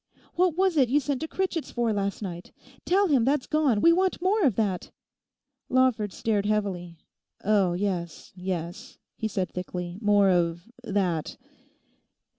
What was it you sent to Critchett's for last night? Tell him that's gone: we want more of that.' Lawford stared heavily. Oh, yes, yes,' he said thickly, 'more of that....